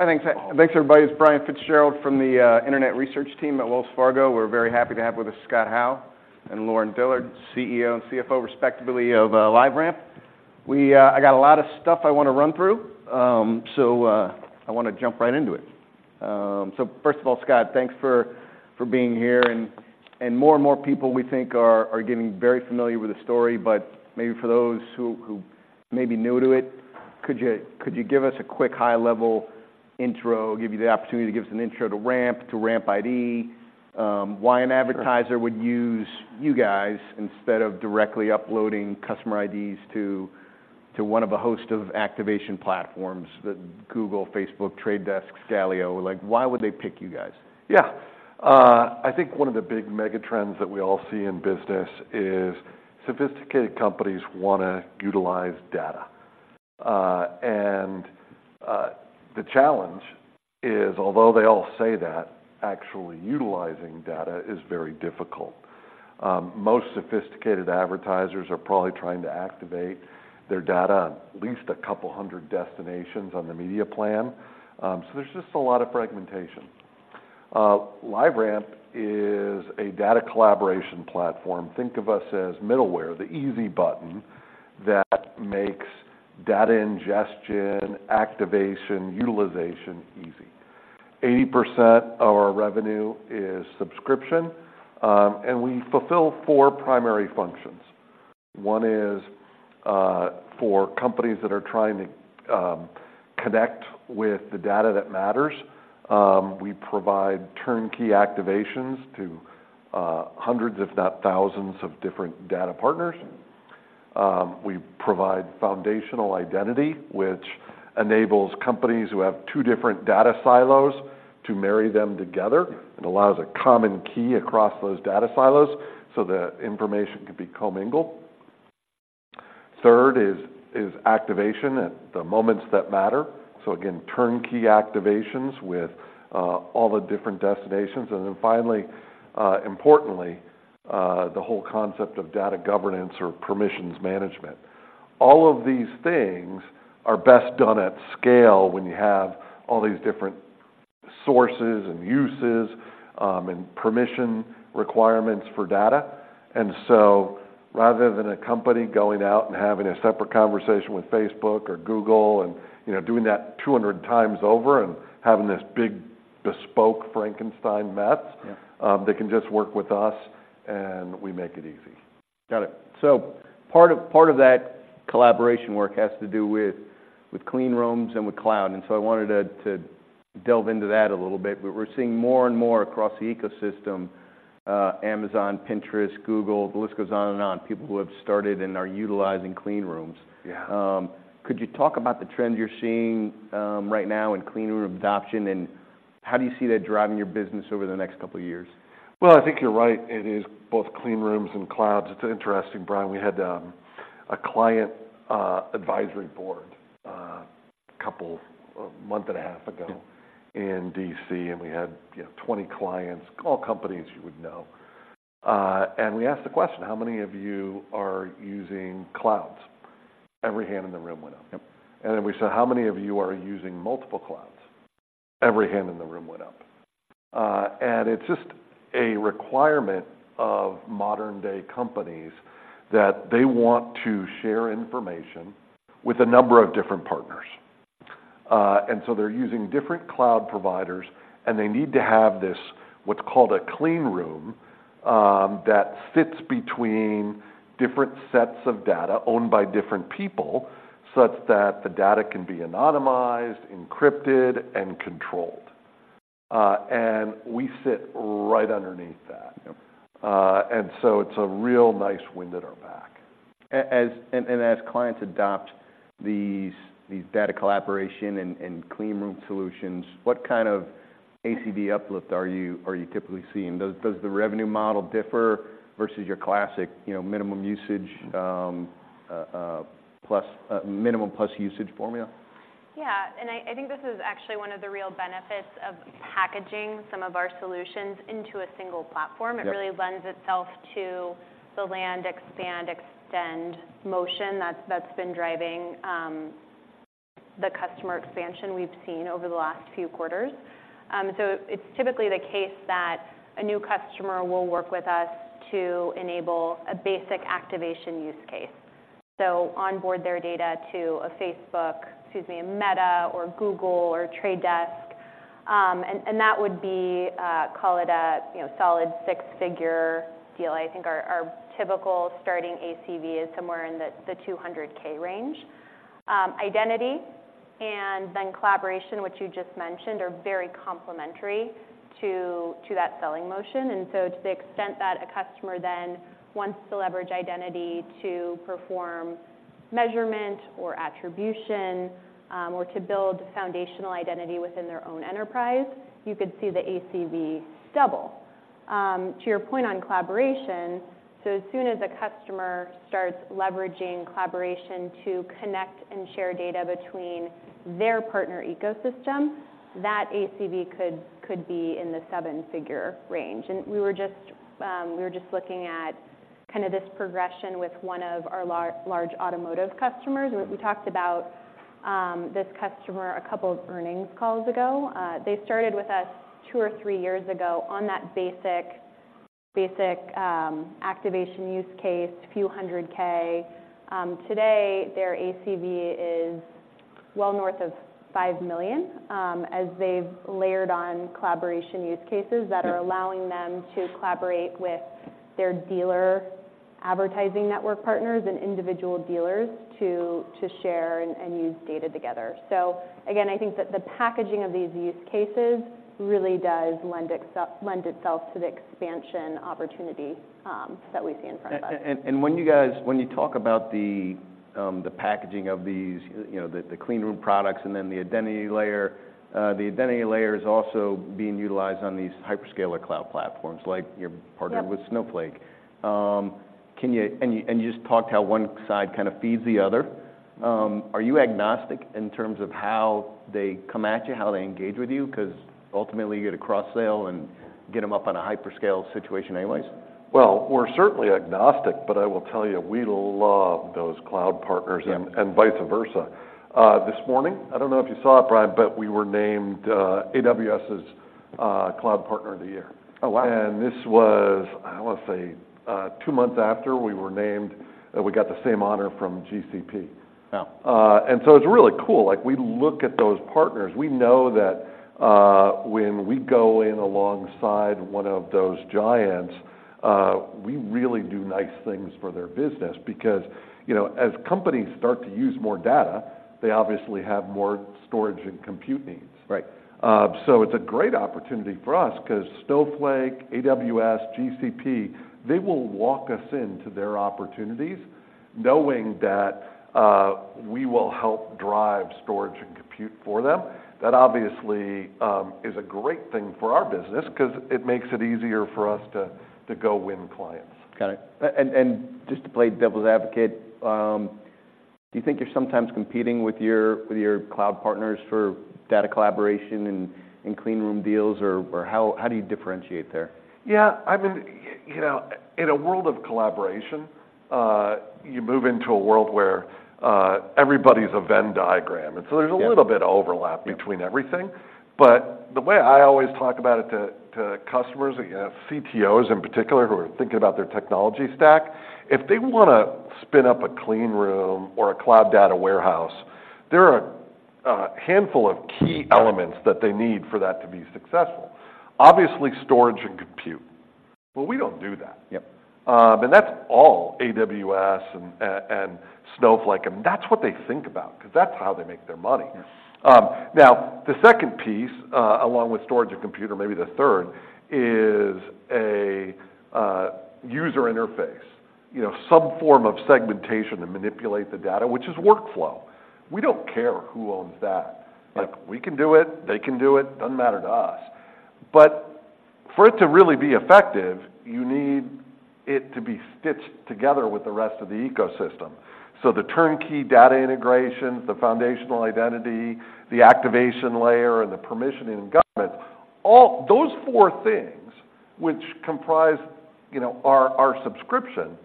Hi, thanks, everybody. It's Brian Fitzgerald from the internet research team at Wells Fargo. We're very happy to have with us Scott Howe and Lauren Dillard, CEO and CFO, respectively, of LiveRamp. I got a lot of stuff I wanna run through, so I wanna jump right into it. So first of all, Scott, thanks for being here, and more and more people we think are getting very familiar with the story, but maybe for those who may be new to it, could you give us a quick high-level intro, give you the opportunity to give us an intro to LiveRamp, to RampID, why an advertiser- Sure.... would use you guys instead of directly uploading customer IDs to one of a host of activation platforms, the Google, Facebook, Trade Desk, Twilio? Like, why would they pick you guys? Yeah. I think one of the big megatrends that we all see in business is sophisticated companies wanna utilize data. And the challenge is, although they all say that, actually utilizing data is very difficult. Most sophisticated advertisers are probably trying to activate their data on at least a couple hundred destinations on the media plan. So there's just a lot of fragmentation. LiveRamp is a data collaboration platform. Think of us as middleware, the easy button that makes data ingestion, activation, utilization easy. 80% of our revenue is subscription, and we fulfill four primary functions. One is, for companies that are trying to connect with the data that matters, we provide turnkey activations to hundreds, if not thousands, of different data partners. We provide foundational identity, which enables companies who have two different data silos to marry them together, and allows a common key across those data silos so that information can be commingled. Third is activation at the moments that matter, so again, turnkey activations with all the different destinations. And then finally, importantly, the whole concept of data governance or permissions management. All of these things are best done at scale when you have all these different sources and uses, and permission requirements for data. And so rather than a company going out and having a separate conversation with Facebook or Google and, you know, doing that 200 times over and having this big, bespoke Frankenstein mess- Yeah.... they can just work with us, and we make it easy. Got it. So part of that collaboration work has to do with clean rooms and with cloud, and so I wanted to delve into that a little bit. But we're seeing more and more across the ecosystem, Amazon, Pinterest, Google, the list goes on and on, people who have started and are utilizing clean rooms. Yeah. Could you talk about the trends you're seeing right now in clean room adoption, and how do you see that driving your business over the next couple of years? Well, I think you're right. It is both clean rooms and clouds. It's interesting, Brian, we had a client advisory board a month and a half ago- Yeah.... in D.C., and we had, you know, 20 clients, all companies you would know. And we asked the question: "How many of you are using clouds?" Every hand in the room went up. Yep. Then we said: "How many of you are using multiple clouds?" Every hand in the room went up. It's just a requirement of modern-day companies that they want to share information with a number of different partners. So they're using different cloud providers, and they need to have this, what's called a clean Room, that sits between different sets of data owned by different people, such that the data can be anonymized, encrypted, and controlled. We sit right underneath that. Yep. And so it's a real nice wind at our back. And as clients adopt these data collaboration and clean room solutions, what kind of ACV uplift are you typically seeing? Does the revenue model differ versus your classic, you know, minimum usage plus minimum plus usage formula? Yeah, and I think this is actually one of the real benefits of packaging some of our solutions into a single platform. Yep. It really lends itself to the land, expand, extend motion that's been driving the customer expansion we've seen over the last few quarters. So it's typically the case that a new customer will work with us to enable a basic activation use case, so onboard their data to a Facebook, excuse me, a Meta or Google or The Trade Desk. And that would be, call it a, you know, solid six-figure deal. I think our typical starting ACV is somewhere in the $200,000 range. Identity and then collaboration, which you just mentioned, are very complementary to that selling motion. And so to the extent that a customer then wants to leverage identity to perform measurement or attribution, or to build foundational identity within their own enterprise, you could see the ACV double. To your point on collaboration, so as soon as a customer starts leveraging collaboration to connect and share data between their partner ecosystem, that ACV could be in the seven-figure range. We were just looking at kind of this progression with one of our large automotive customers. We talked about this customer a couple of earnings calls ago. They started with us two or three years ago on that basic activation use case, $ a few hundred K. Today, their ACV is well north of $5 million, as they've layered on collaboration use cases that are allowing them to collaborate with their dealer advertising network partners and individual dealers to share and use data together. So again, I think that the packaging of these use cases really does lend itself to the expansion opportunity that we see in front of us. And when you guys talk about the packaging of these, you know, the clean room products and then the identity layer, the identity layer is also being utilized on these hyperscaler cloud platforms, like you're partnered with Snowflake. Yep. You just talked how one side kind of feeds the other. Are you agnostic in terms of how they come at you, how they engage with you? 'Cause ultimately, you get a cross-sale and get them up on a hyperscale situation anyways. Well, we're certainly agnostic, but I will tell you, we love those cloud partners- Yep.... and vice versa. This morning, I don't know if you saw it, Brian, but we were named AWS's Cloud Partner of the Year. Oh, wow. This was, I want to say, two months after we were named. We got the same honor from GCP. Wow. And so it's really cool. Like, we look at those partners, we know that, when we go in alongside one of those giants, we really do nice things for their business because, you know, as companies start to use more data, they obviously have more storage and compute needs. Right. So it's a great opportunity for us 'cause Snowflake, AWS, GCP, they will walk us into their opportunities knowing that we will help drive storage and compute for them. That obviously is a great thing for our business 'cause it makes it easier for us to go win clients. Got it. And just to play devil's advocate, do you think you're sometimes competing with your cloud partners for data collaboration and clean room deals, or how do you differentiate there? Yeah, I mean, you know, in a world of collaboration, you move into a world where everybody's a Venn diagram. Yeah. And so there's a little bit of overlap- Yeah.... between everything. But the way I always talk about it to customers, you know, CTOs in particular, who are thinking about their technology stack, if they want to spin up a clean room or a cloud data warehouse, there are a handful of key elements- Right.... that they need for that to be successful. Obviously, storage and compute. Well, we don't do that. Yep. And that's all AWS and Snowflake, and that's what they think about, 'cause that's how they make their money. Yes. Now, the second piece, along with storage and compute, or maybe the third, is a user interface. You know, some form of segmentation to manipulate the data, which is workflow. We don't care who owns that. Right. Like, we can do it, they can do it, doesn't matter to us. But for it to really be effective, you need it to be stitched together with the rest of the ecosystem. So the turnkey data integrations, the foundational identity, the activation layer, and the permissioning and governance, all, those four things, which comprise, you know, our, our subscription,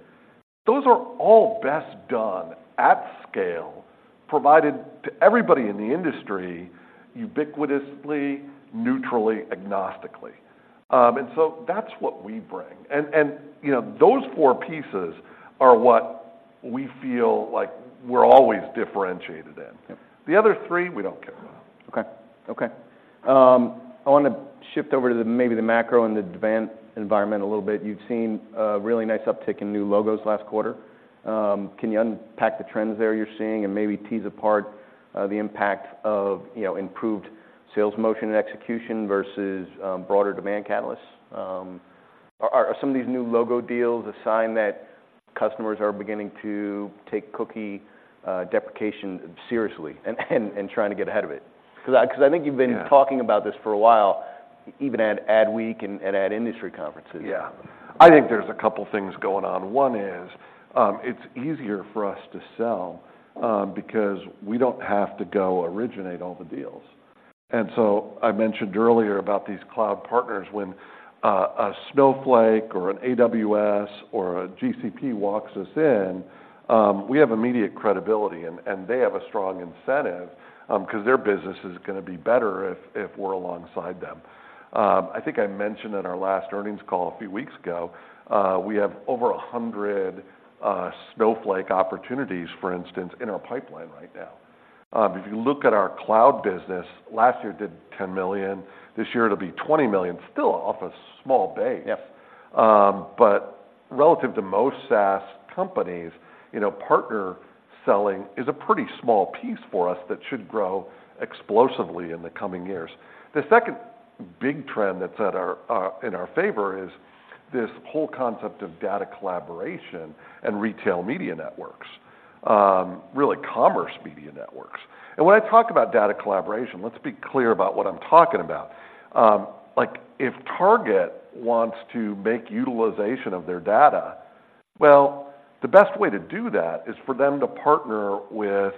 those are all best done at scale, provided to everybody in the industry, ubiquitously, neutrally, agnostically. And so that's what we bring. And, and, you know, those four pieces are what we feel like we're always differentiated in. Yep. The other three, we don't care about. Okay. I want to shift over to maybe the macro and the demand environment a little bit. You've seen a really nice uptick in new logos last quarter. Can you unpack the trends there you're seeing and maybe tease apart the impact of, you know, improved sales motion and execution versus broader demand catalysts? Are some of these new logo deals a sign that customers are beginning to take cookie deprecation seriously and trying to get ahead of it? 'Cause I think you've been- Yeah.... talking about this for a while, even at Adweek and ad industry conferences. Yeah. I think there's a couple things going on. One is, it's easier for us to sell, because we don't have to go originate all the deals. And so I mentioned earlier about these cloud partners, when a Snowflake or an AWS or a GCP walks us in, we have immediate credibility, and they have a strong incentive, 'cause their business is gonna be better if we're alongside them. I think I mentioned in our last earnings call a few weeks ago, we have over 100 Snowflake opportunities, for instance, in our pipeline right now. If you look at our cloud business, last year did $10 million. This year, it'll be $20 million. Still off a small base- Yep.... but relative to most SaaS companies, you know, partner selling is a pretty small piece for us that should grow explosively in the coming years. The second big trend that's in our favor is this whole concept of data collaboration and retail media networks. Really, commerce media networks. And when I talk about data collaboration, let's be clear about what I'm talking about. Like, if Target wants to make utilization of their data, well, the best way to do that is for them to partner with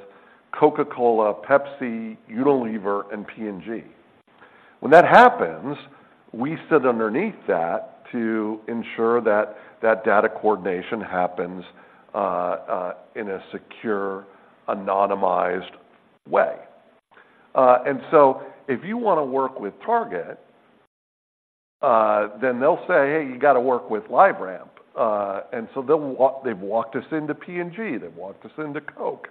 Coca-Cola, Pepsi, Unilever, and P&G. When that happens, we sit underneath that to ensure that that data coordination happens in a secure, anonymized way. And so if you want to work with Target, then they'll say: "Hey, you got to work with LiveRamp." And so they'll walk, they've walked us into P&G, they've walked us into Coke.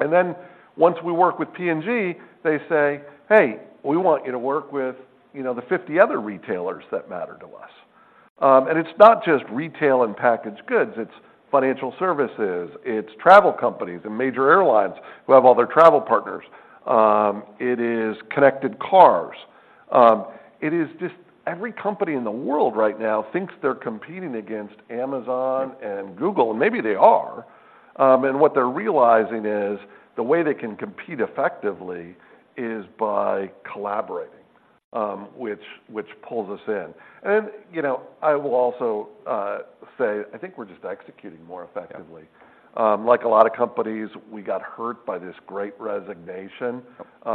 And then once we work with P&G, they say, "Hey, we want you to work with, you know, the 50 other retailers that matter to us." And it's not just retail and packaged goods, it's financial services, it's travel companies and major airlines who have all their travel partners. It is connected cars. It is just every company in the world right now thinks they're competing against Amazon and Google, and maybe they are. And what they're realizing is, the way they can compete effectively is by collaborating, which pulls us in. You know, I will also say, I think we're just executing more effectively. Yeah. Like a lot of companies, we got hurt by this Great Resignation.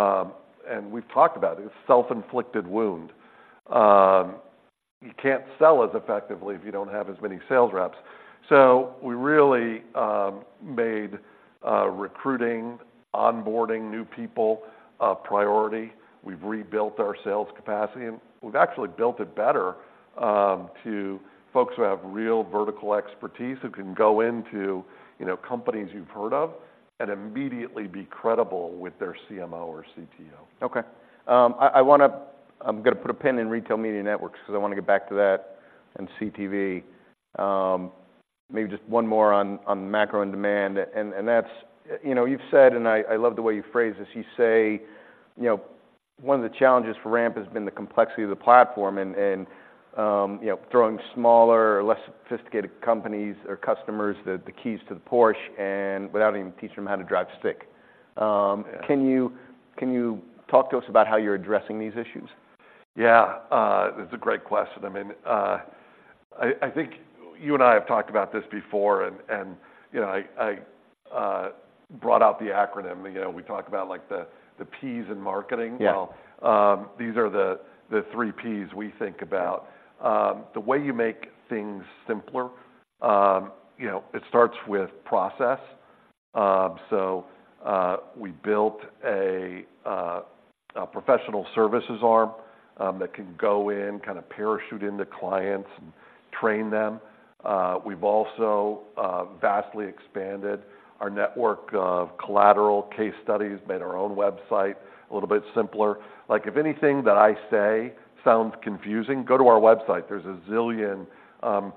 Yep. And we've talked about it. It's a self-inflicted wound. You can't sell as effectively if you don't have as many sales reps. So we really made recruiting, onboarding new people, a priority. We've rebuilt our sales capacity, and we've actually built it better to folks who have real vertical expertise, who can go into, you know, companies you've heard of and immediately be credible with their CMO or CTO. Okay. I want to. I'm gonna put a pin in retail media networks, because I want to get back to that and CTV. Maybe just one more on macro and demand, and that's... You know, you've said, and I love the way you phrase this, you say, you know, one of the challenges for Ramp has been the complexity of the platform and, you know, throwing smaller, less sophisticated companies or customers the keys to the Porsche and without even teaching them how to drive stick. Yeah. Can you talk to us about how you're addressing these issues? Yeah, that's a great question. I mean, I think you and I have talked about this before, and you know, I brought out the acronym. You know, we talk about, like, the Ps in marketing. Yeah. These are the three Ps we think about. The way you make things simpler, you know, it starts with process. We built a professional services arm that can go in, kind of parachute into clients and train them. We've also vastly expanded our network of collateral case studies, made our own website a little bit simpler. Like, if anything that I say sounds confusing, go to our website. There's a zillion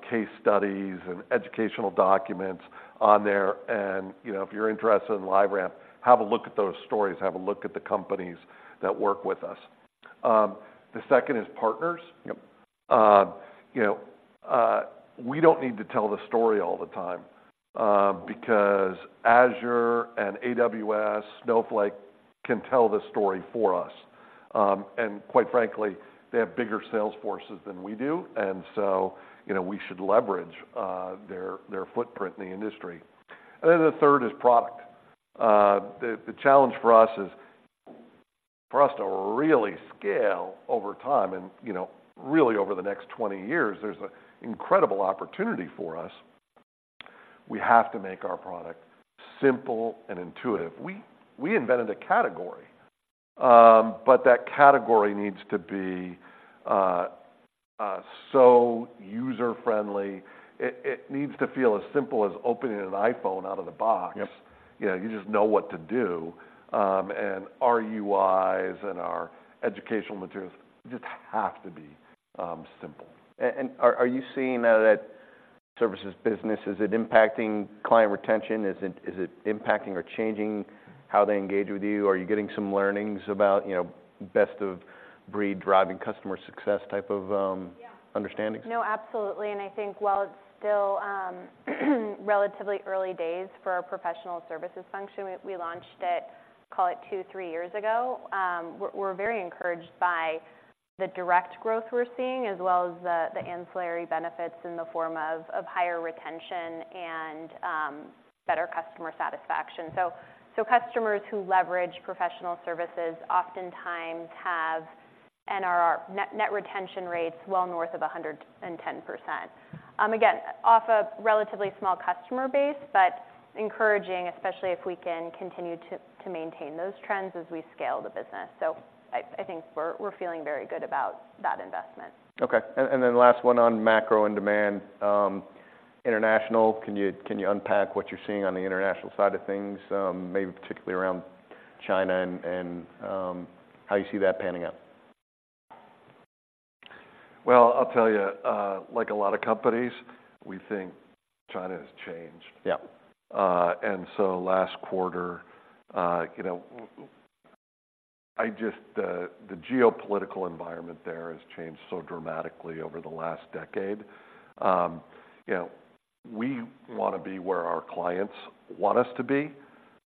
case studies and educational documents on there, and, you know, if you're interested in LiveRamp, have a look at those stories, have a look at the companies that work with us. The second is partners. Yep. You know, we don't need to tell the story all the time, because Azure and AWS, Snowflake, can tell the story for us. And quite frankly, they have bigger sales forces than we do, and so, you know, we should leverage their footprint in the industry. And then the third is product. The challenge for us is, for us to really scale over time and, you know, really over the next 20 years, there's an incredible opportunity for us, we have to make our product simple and intuitive. We invented a category, but that category needs to be so user-friendly. It needs to feel as simple as opening an iPhone out of the box. Yep. You know, you just know what to do. Our UIs and our educational materials just have to be simple. Are you seeing now that services business is impacting client retention? Is it impacting or changing how they engage with you? Are you getting some learnings about, you know, best of breed, driving customer success type of- Yeah.... understandings? No, absolutely. I think while it's still relatively early days for our professional services function, we launched it, call it two to three years ago. We're very encouraged by the direct growth we're seeing, as well as the ancillary benefits in the form of higher retention and better customer satisfaction. So, customers who leverage professional services oftentimes have NRR, Net Revenue Retention, well north of 110%. Again, off a relatively small customer base, but encouraging, especially if we can continue to maintain those trends as we scale the business. So I think we're feeling very good about that investment. Okay. And then last one on macro and demand. International, can you unpack what you're seeing on the international side of things, maybe particularly around China and how you see that panning out? Well, I'll tell you, like a lot of companies, we think China has changed. Yeah. And so last quarter, you know, the geopolitical environment there has changed so dramatically over the last decade. You know, we want to be where our clients want us to be.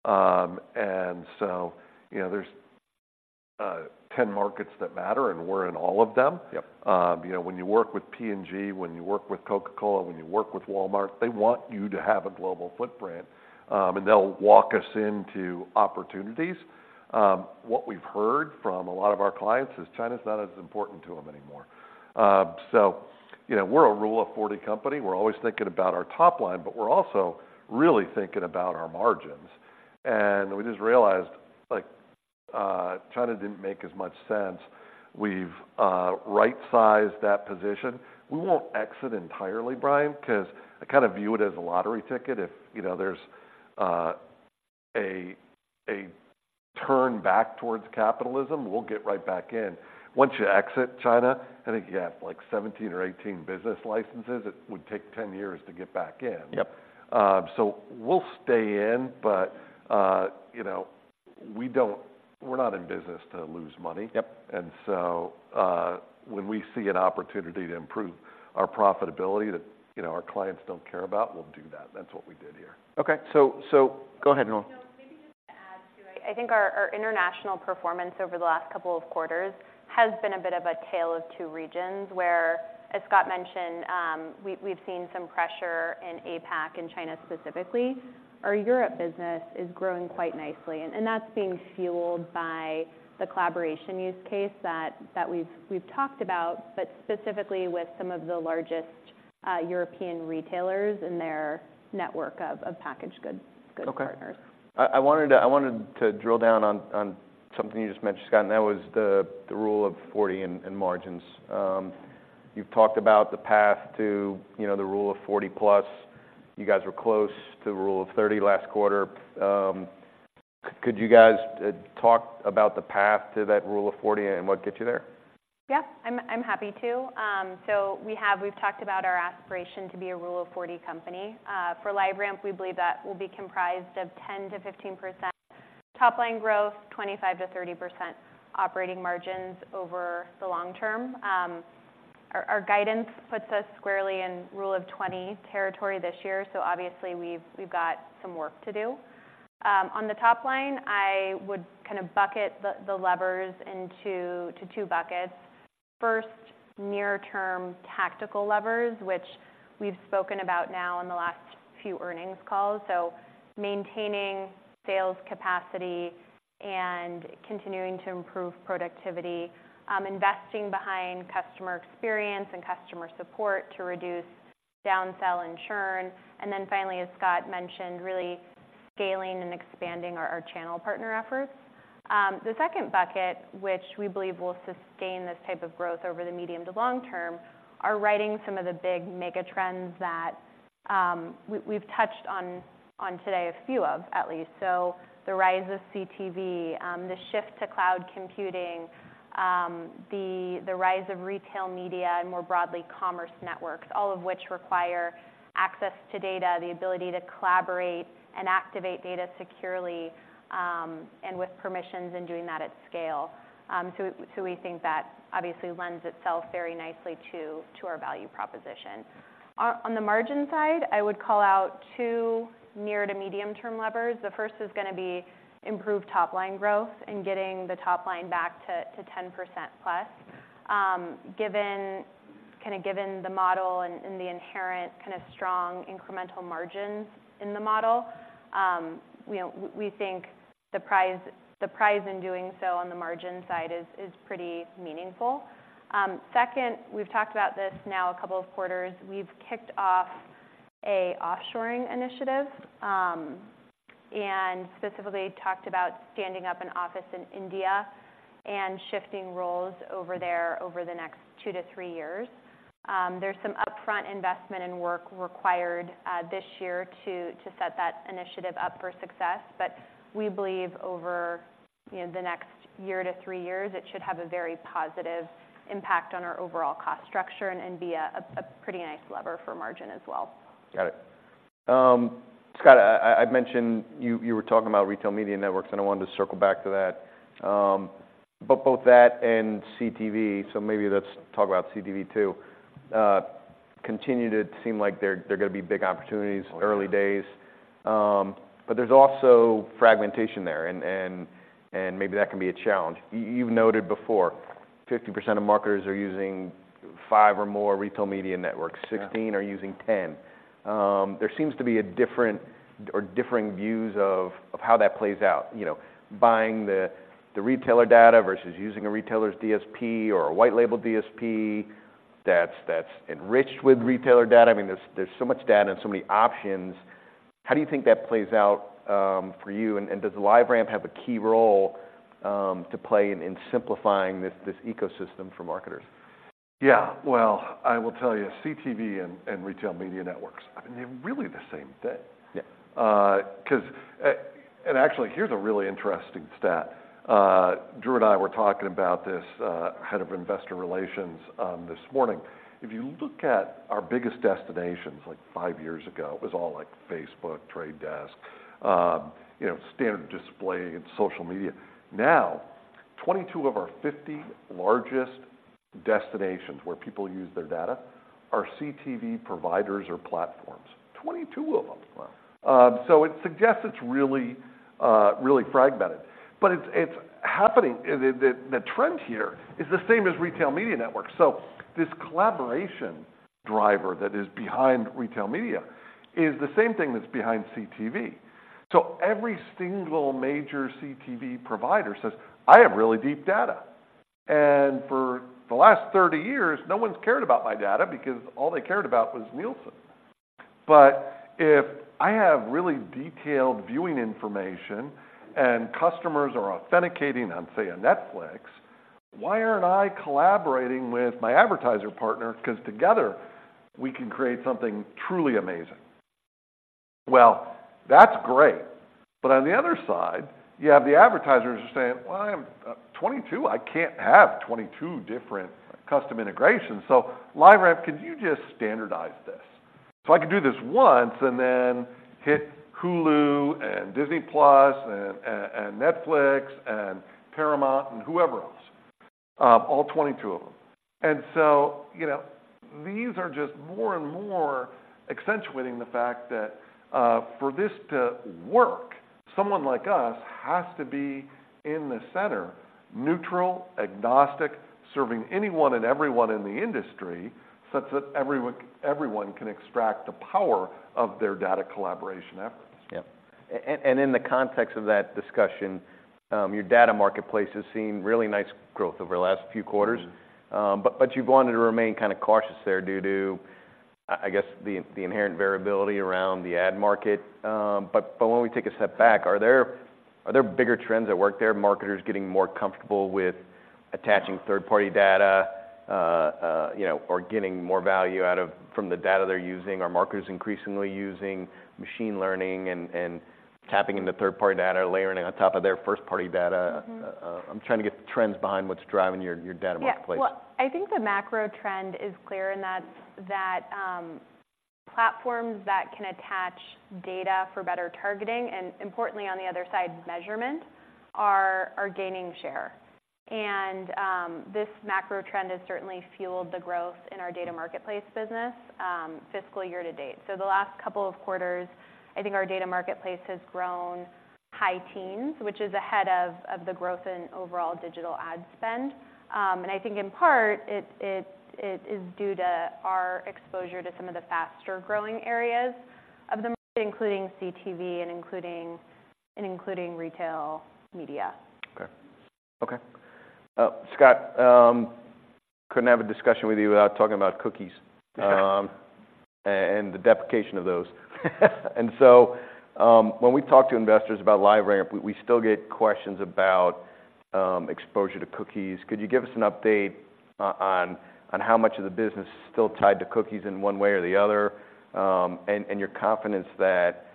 And so, you know, there's 10 markets that matter, and we're in all of them. Yep. You know, when you work with P&G, when you work with Coca-Cola, when you work with Walmart, they want you to have a global footprint, and they'll walk us into opportunities. What we've heard from a lot of our clients is China's not as important to them anymore. So, you know, we're a Rule of 40 company. We're always thinking about our top line, but we're also really thinking about our margins. And we just realized, like, China didn't make as much sense. We've right-sized that position. We won't exit entirely, Brian, 'cause I kind of view it as a lottery ticket. If, you know, there's a turn back towards capitalism, we'll get right back in. Once you exit China, I think you have, like, 17 or 18 business licenses. It would take 10 years to get back in. Yep. We'll stay in, but you know, we don't - we're not in business to lose money. Yep. When we see an opportunity to improve our profitability that, you know, our clients don't care about, we'll do that. That's what we did here. Okay. Go ahead, Laruren. You know, maybe just to add, too, I think our international performance over the last couple of quarters has been a bit of a tale of two regions, where, as Scott mentioned, we've seen some pressure in APAC, in China specifically. Our Europe business is growing quite nicely, and that's being fueled by the collaboration use case that we've talked about, but specifically with some of the largest European retailers and their network of packaged goods partners. Okay. I wanted to drill down on something you just mentioned, Scott, and that was the Rule of 40 in margins. You've talked about the path to, you know, the Rule of 40 plus. You guys were close to the Rule of 30 last quarter. Could you guys talk about the path to that Rule of 40 and what gets you there? Yeah, I'm, I'm happy to. So we've talked about our aspiration to be a rule of 40 company. For LiveRamp, we believe that will be comprised of 10%-15% top line growth, 25%-30% operating margins over the long term. Our, our guidance puts us squarely in rule of 20 territory this year, so obviously, we've, we've got some work to do. On the top line, I would kind of bucket the, the levers into two buckets. First, near term tactical levers, which we've spoken about now in the last few earnings calls, so maintaining sales capacity and continuing to improve productivity, investing behind customer experience and customer support to reduce downsell and churn, and then finally, as Scott mentioned, really scaling and expanding our, our channel partner efforts. The second bucket, which we believe will sustain this type of growth over the medium to long term, are riding some of the big mega trends that we've touched on today, a few of at least. The rise of CTV, the shift to cloud computing, the rise of retail media and more broadly, commerce networks, all of which require access to data, the ability to collaborate and activate data securely, and with permissions, and doing that at scale. So we think that obviously lends itself very nicely to our value proposition. On the margin side, I would call out two near to medium term levers. The first is gonna be improved top line growth and getting the top line back to 10%+. Given, kinda given the model and the inherent kind of strong incremental margins in the model, you know, we think the prize, the prize in doing so on the margin side is pretty meaningful. Second, we've talked about this now a couple of quarters. We've kicked off an offshoring initiative, and specifically talked about standing up an office in India and shifting roles over there over the next two to three years. There's some upfront investment and work required this year to set that initiative up for success, but we believe over the next one to three years, it should have a very positive impact on our overall cost structure and be a pretty nice lever for margin as well. Got it. Scott, I mentioned you were talking about retail media networks, and I wanted to circle back to that. But both that and CTV, so maybe let's talk about CTV, too. Continue to seem like they're gonna be big opportunities- Oh, yeah.... early days. But there's also fragmentation there, and maybe that can be a challenge. You've noted before, 50% of marketers are using five or more retail media networks. Yeah. 16 are using 10. There seems to be a different or differing views of how that plays out. You know, buying the retailer data versus using a retailer's DSP or a white label DSP that's enriched with retailer data. I mean, there's so much data and so many options. How do you think that plays out for you, and does LiveRamp have a key role to play in simplifying this ecosystem for marketers? Yeah, well, I will tell you, CTV and retail media networks, I mean, they're really the same thing. Yeah. 'Cause, actually, here's a really interesting stat. Drew and I were talking about this, head of investor relations, this morning. If you look at our biggest destinations, like five years ago, it was all like Facebook, Trade Desk, you know, standard display and social media. Now, 22 of our 50 largest destinations, where people use their data, are CTV providers or platforms. 22 of them! Wow. So it suggests it's really, really fragmented. But it's happening. The trend here is the same as retail media networks. So this collaboration driver that is behind retail media is the same thing that's behind CTV. So every single major CTV provider says, "I have really deep data, and for the last 30 years, no one's cared about my data because all they cared about was Nielsen. But if I have really detailed viewing information, and customers are authenticating on, say, a Netflix, why aren't I collaborating with my advertiser partner? 'Cause together, we can create something truly amazing." Well, that's great, but on the other side, you have the advertisers are saying, "Well, I am, 22, I can't have 22 different custom integrations. So LiveRamp, could you just standardize this? So I could do this once, and then hit Hulu, and Disney+, and Netflix, and Paramount, and whoever else, all 22 of them." And so, you know, these are just more and more accentuating the fact that for this to work, someone like us has to be in the center, neutral, agnostic, serving anyone and everyone in the industry, such that everyone, everyone can extract the power of their data collaboration efforts. Yep. And in the context of that discussion, your Data Marketplace has seen really nice growth over the last few quarters. But you've wanted to remain kind of cautious there due to I guess the inherent variability around the ad market. But when we take a step back, are there bigger trends at work there, marketers getting more comfortable with attaching third-party data, you know, or getting more value out of from the data they're using? Are marketers increasingly using machine learning and tapping into third-party data, layering it on top of their first-party data? I'm trying to get the trends behind what's driving your Data Marketplace. Yeah. Well, I think the macro trend is clear, and that's that, platforms that can attach data for better targeting, and importantly, on the other side, measurement, are, are gaining share. And, this macro trend has certainly fueled the growth in our data marketplace business, fiscal year to date. So the last couple of quarters, I think our data marketplace has grown high teens, which is ahead of, of the growth in overall digital ad spend. And I think in part, it, it, it is due to our exposure to some of the faster-growing areas of the market, including CTV, and including, and including retail media. Okay. Scott, couldn't have a discussion with you without talking about cookies- Sure.... and the deprecation of those. And so, when we talk to investors about LiveRamp, we still get questions about exposure to cookies. Could you give us an update on how much of the business is still tied to cookies in one way or the other, and your confidence that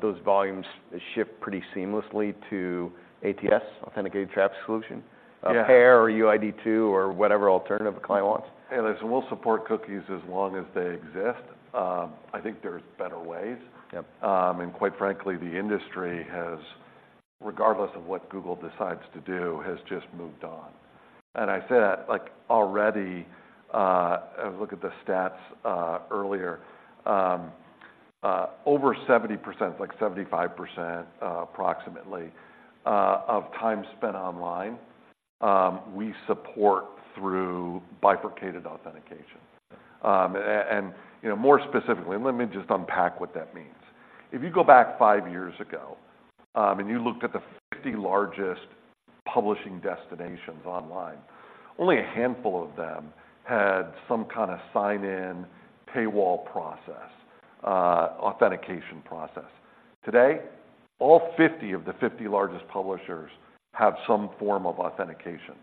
those volumes ship pretty seamlessly to ATS, Authenticated Traffic Solution? Yeah. PAIR or UID2 or whatever alternative a client wants. Hey, listen, we'll support cookies as long as they exist. I think there's better ways. Yep. And quite frankly, the industry has, regardless of what Google decides to do, has just moved on. And I say that, like, already. I look at the stats earlier, over 70%, like 75%, approximately, of time spent online, we support through bifurcated authentication. And, you know, more specifically, let me just unpack what that means. If you go back five years ago, and you looked at the 50 largest publishing destinations online, only a handful of them had some kind of sign-in paywall process, authentication process. Today, all 50 of the 50 largest publishers have some form of authentication.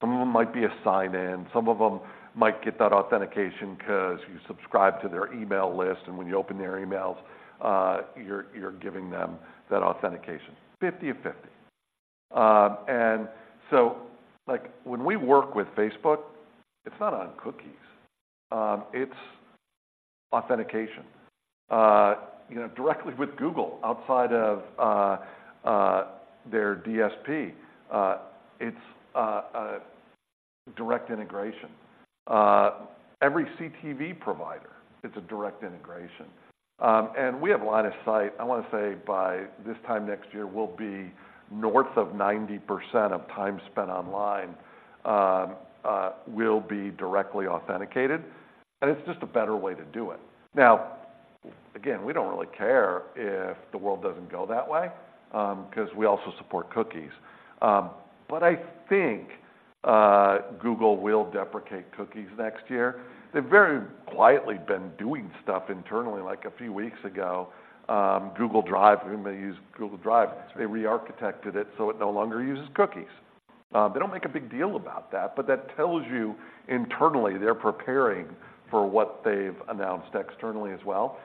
Some of them might be a sign-in, some of them might get that authentication 'cause you subscribe to their email list, and when you open their emails, you're, you're giving them that authentication. 50 of 50. And so, like, when we work with Facebook, it's not on cookies, it's authentication. You know, directly with Google, outside of their DSP, it's a direct integration. Every CTV provider, it's a direct integration. And we have line of sight, I wanna say by this time next year, we'll be north of 90% of time spent online will be directly authenticated, and it's just a better way to do it. Now, again, we don't really care if the world doesn't go that way, 'cause we also support cookies. But I think Google will deprecate cookies next year. They've very quietly been doing stuff internally, like a few weeks ago, Google Drive, anybody who use Google Drive- Yes.... they rearchitected it, so it no longer uses cookies. They don't make a big deal about that, but that tells you internally, they're preparing for what they've announced externally as well.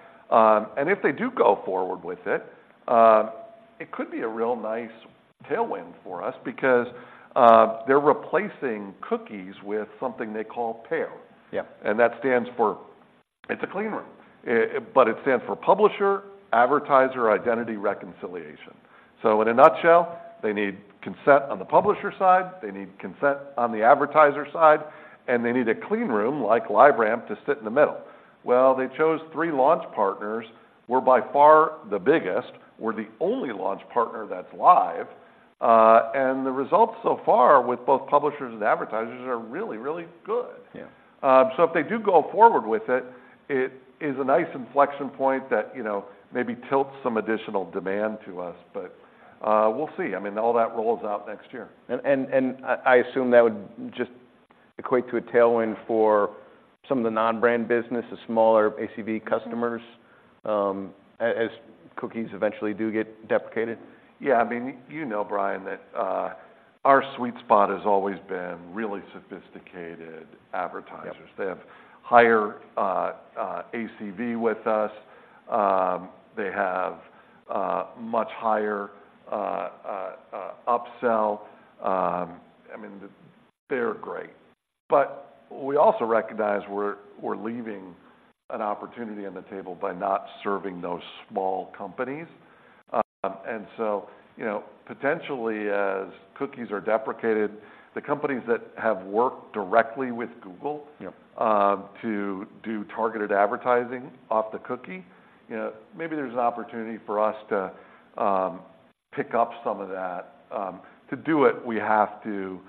If they do go forward with it, it could be a real nice tailwind for us because they're replacing cookies with something they call PAIR. Yeah. And that stands for... It's a clean room. But it stands for Publisher Advertiser Identity Reconciliation. So in a nutshell, they need consent on the publisher side, they need consent on the advertiser side, and they need a clean room, like LiveRamp, to sit in the middle. Well, they chose three launch partners. We're by far the biggest. We're the only launch partner that's live and the results so far with both publishers and advertisers are really, really good. Yeah. So if they do go forward with it, it is a nice inflection point that, you know, maybe tilts some additional demand to us. But, we'll see. I mean, all that rolls out next year. I assume that would just equate to a tailwind for some of the non-brand business, the smaller ACV customers, as cookies eventually do get deprecated? Yeah, I mean, you know, Brian, that our sweet spot has always been really sophisticated advertisers. Yep. They have higher ACV with us. They have much higher upsell. I mean, they're great. But we also recognize we're leaving an opportunity on the table by not serving those small companies. And so, you know, potentially, as cookies are deprecated, the companies that have worked directly with Google- Yep... to do targeted advertising off the cookie, you know, maybe there's an opportunity for us to pick up some of that. To do it, we have to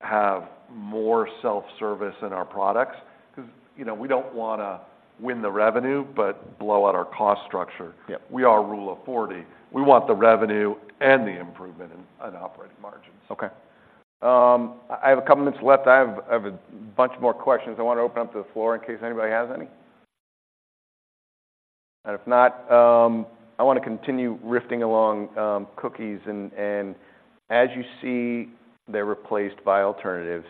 have more self-service in our products, 'cause, you know, we don't wanna win the revenue, but blow out our cost structure. Yep. We are Rule of 40. We want the revenue and the improvement in operating margins. Okay. I have a couple minutes left. I have, I have a bunch more questions. I want to open up the floor in case anybody has any. And if not, I want to continue riffing along, cookies and as you see they're replaced by alternatives,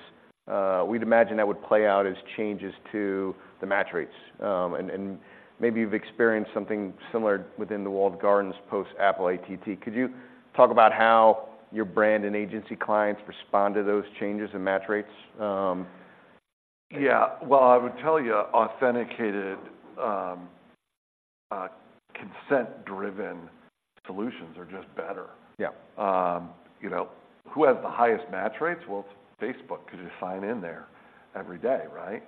we'd imagine that would play out as changes to the match rates. And maybe you've experienced something similar within the walled gardens post-Apple ATT. Could you talk about how your brand and agency clients respond to those changes in match rates? Yeah. Well, I would tell you, authenticated, consent-driven solutions are just better. Yeah. You know, who has the highest match rates? Well, it's Facebook, 'cause you sign in there every day, right?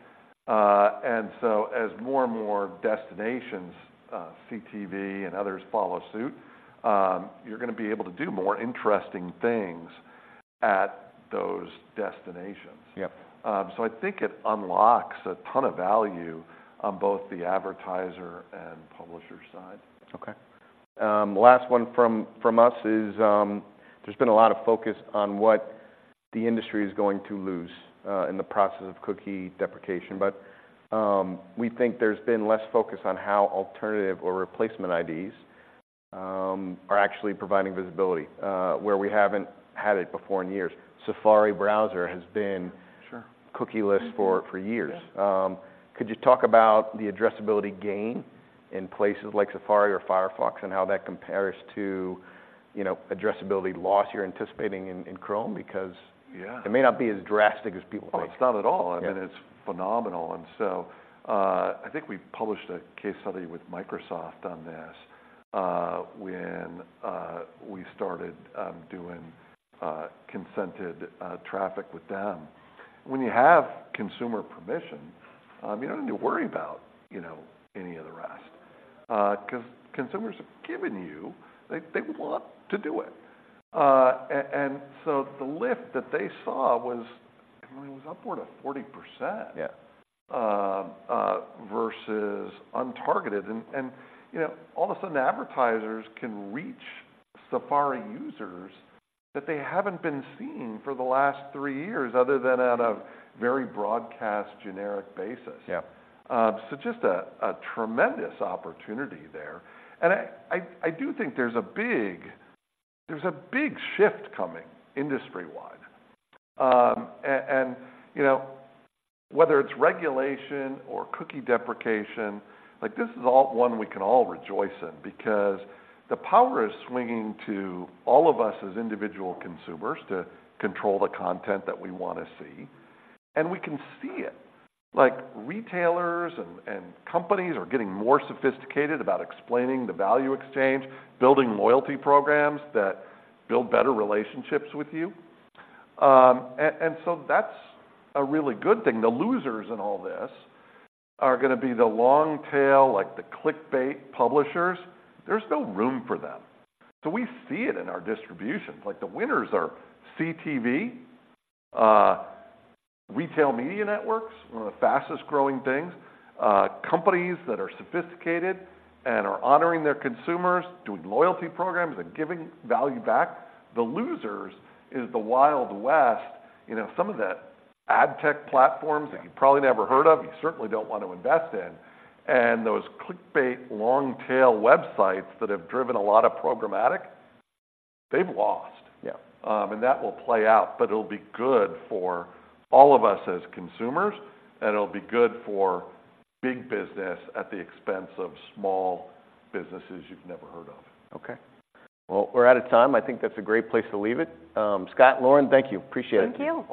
And so as more and more destinations, CTV and others follow suit, you're gonna be able to do more interesting things at those destinations. Yep. I think it unlocks a ton of value on both the advertiser and publisher side. Okay. Last one from us is, there's been a lot of focus on what the industry is going to lose in the process of cookie deprecation, but we think there's been less focus on how alternative or replacement IDs are actually providing visibility where we haven't had it before in years. Safari browser has been- Sure.... cookieless for years. Mm-hmm. Yeah. Could you talk about the addressability gain in places like Safari or Firefox, and how that compares to, you know, addressability loss you're anticipating in Chrome? Because- Yeah... it may not be as drastic as people think. Oh, it's not at all. Yeah. I mean, it's phenomenal. And so, I think we published a case study with Microsoft on this, when we started doing consented traffic with them. When you have consumer permission, you don't need to worry about, you know, any of the rest, 'cause consumers have given you... They, want to do it. And so the lift that they saw was, I mean, it was upward of 40%- Yeah. versus untargeted. And you know, all of a sudden, advertisers can reach Safari users that they haven't been seeing for the last three years, other than at a very broadcast, generic basis. Yeah. So just a tremendous opportunity there. And I do think there's a big shift coming industry-wide. And you know, whether it's regulation or cookie deprecation, like, this is all one we can all rejoice in, because the power is swinging to all of us as individual consumers to control the content that we want to see, and we can see it. Like, retailers and companies are getting more sophisticated about explaining the value exchange, building loyalty programs that build better relationships with you. And so that's a really good thing. The losers in all this are gonna be the long tail, like the clickbait publishers. There's no room for them. So we see it in our distributions, like the winners are CTV, retail media networks, one of the fastest growing things, companies that are sophisticated and are honoring their consumers, doing loyalty programs and giving value back. The losers is the Wild West, you know, some of the ad tech platforms- Yeah... that you've probably never heard of, you certainly don't want to invest in, and those clickbait, long-tail websites that have driven a lot of programmatic, they've lost. Yeah. That will play out, but it'll be good for all of us as consumers, and it'll be good for big business at the expense of small businesses you've never heard of. Okay. Well, we're out of time. I think that's a great place to leave it. Scott, Lauren, thank you. Appreciate it. Thank you.